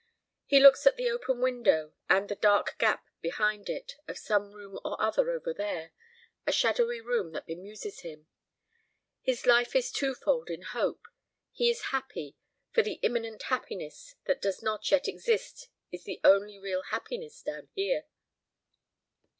He looks at an open window and the dark gap behind it of some room or other over there, a shadowy room that bemuses him. His life is twofold in hope; he is happy, for the imminent happiness that does not yet exist is the only real happiness down here.